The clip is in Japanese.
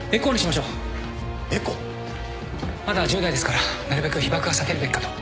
まだ１０代ですからなるべく被ばくは避けるべきかと。